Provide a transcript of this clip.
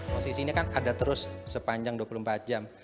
posisinya kan ada terus sepanjang dua puluh empat jam